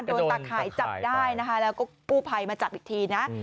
ตาข่ายจับได้นะคะแล้วก็กู้ภัยมาจับอีกทีนะ